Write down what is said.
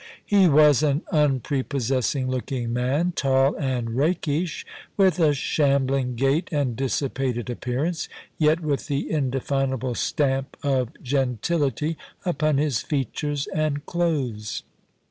He was an unprepossessing looking man, tall and rakish, with a shambling gait and dissipated appearance, yet with the indefinable stamp of gentility upon his features and clothes.